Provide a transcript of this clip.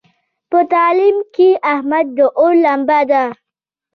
په تعلیم کې احمد د اور لمبه دی.